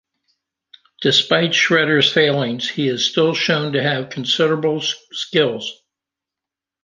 Despite Shredder's failings, he is still shown to have considerable skills.